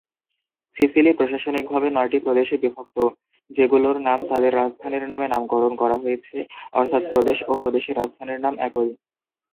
Sicily প্রশাসনিকভাবে নয়টি প্রদেশে বিভক্ত, যেগুলোর নাম তাদের রাজধানীর নামে নামকরণ করা হয়েছে অর্থাৎ প্রদেশ ও প্রদেশের রাজধানীর নাম একই।